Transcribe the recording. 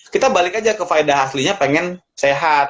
kita balik aja ke faedah aslinya pengen sehat